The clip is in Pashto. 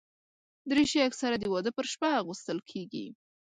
دریشي اکثره د واده پر شپه اغوستل کېږي.